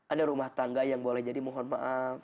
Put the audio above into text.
ada rumah tangga yang boleh jadi mohon maaf